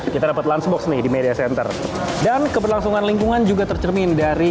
kita dapat lansbox nih di media center dan keberlangsungan lingkungan juga tercermin dari